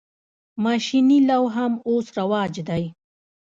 ماشیني لو هم اوس رواج دی.